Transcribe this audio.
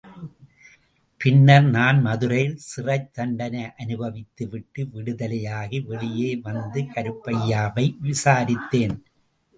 பின்னர் நான் மதுரையில் சிறைத் தண்டனை அனுபவித்துவிட்டு விடுதலையாகி வெளியே வந்து கருப்பையாவை விசாரித்தேன்.